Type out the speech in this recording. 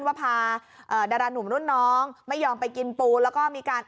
ว่าพาดารานุ่มรุ่นน้องไม่ยอมไปกินปูแล้วก็มีการ